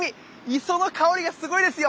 磯の香りがすごいですよ。